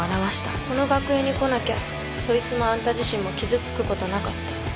この学園に来なきゃそいつもあんた自身も傷つくことなかった。